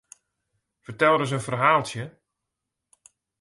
Fertel ris in ferhaaltsje?